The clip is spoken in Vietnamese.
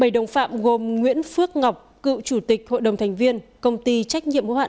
bảy đồng phạm gồm nguyễn phước ngọc cựu chủ tịch hội đồng thành viên công ty trách nhiệm hữu hạn